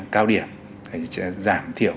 cao điểm giảm thiểu